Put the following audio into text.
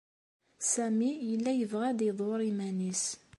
Sami yella yebɣa ad iḍurr iman-is.